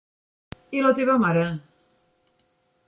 I la teva mare?